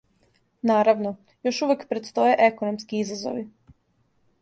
Наравно, још увек предстоје економски изазови.